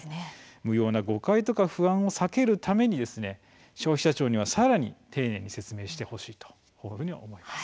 無用な誤解や不安を避けるために消費者庁はさらに丁寧に説明してほしいと思います。